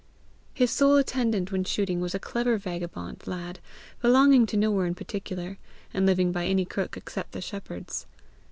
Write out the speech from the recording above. His sole attendant when shooting was a clever vagabond lad belonging to nowhere in particular, and living by any crook except the shepherd's.